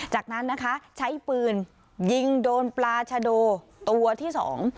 จากนั้นนะคะใช้ปืนยิงโดนปลาชะโดตัวที่สอง